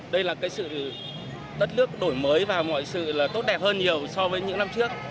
đây là sự tất lước đổi mới và mọi sự tốt đẹp hơn nhiều so với những năm trước